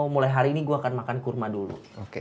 mulai hari ini gue akan makan kurma dulu